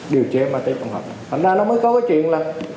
điều chế ma túy tổng hợp